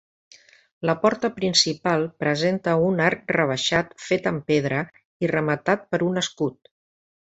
La porta principal presenta un arc rebaixat fet amb pedra i rematat per un escut.